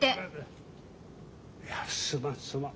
いやすまんすまん。